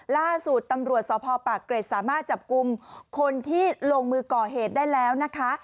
ล่าสุดตำรวจสพปากเกร็ดสามารถจับกลุ่มคนที่ลงมือก่อเหตุได้แล้วนะคะ